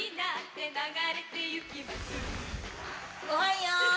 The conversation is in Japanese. ごはんよ。